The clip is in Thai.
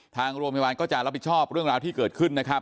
ทางโรงพยาบาลก็จะรับผิดชอบเรื่องราวที่เกิดขึ้นนะครับ